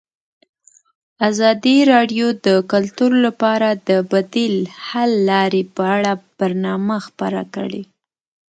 ازادي راډیو د کلتور لپاره د بدیل حل لارې په اړه برنامه خپاره کړې.